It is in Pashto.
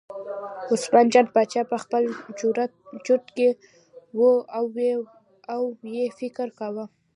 عثمان جان باچا په خپل چورت کې و او یې فکر کاوه.